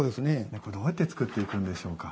これどうやって作っていくんでしょうか？